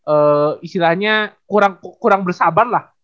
ee istilahnya kurang bersabar lah